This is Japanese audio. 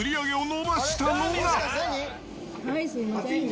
はい、すみません。